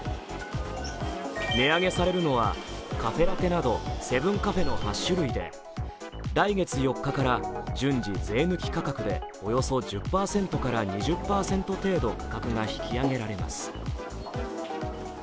値上げされるのはカフェラテなどセブンカフェの８種類で来月４日から順次、税抜き価格でおよそ１０％から２０％程度価格が引き上げられます。